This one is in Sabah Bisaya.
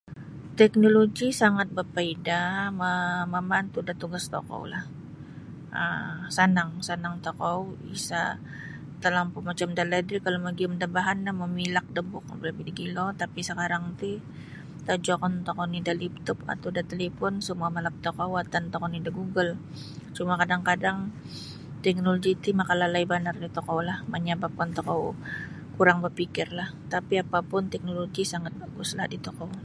Teknoloji sangat bapaidah membantu da tugas tokoulah um sanang sanag tokou isa telampau macam dalaid ri kalau magiyum da bahan no mamilak da buku balabih do gilo tapi sekarang ti tojokon tokou oni da laptop atau da talipon semua malap tokou watan tokou oni da google cuma kadang-kadang teknoloji ti makalalai banar do tokou menyebabkan tokou kurang bapikir tapi apa pun teknoloji ti sangat baguslah di tokou.